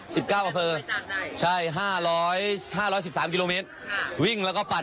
สิบเก้าอำเภอใช่ห้าร้อยห้าร้อยสิบสามกิโลเมตรวิ่งแล้วก็ปั่น